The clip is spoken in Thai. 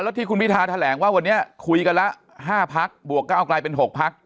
ที่คุณพิทาแถลงว่าวันนี้คุยกันละ๕พักบวกก้าวกลายเป็น๖พัก